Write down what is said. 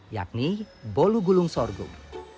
yakni bolu gulung sorghum